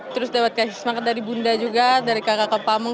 terus dapat kasih semangat dari bunda juga dari kakak kakak pamung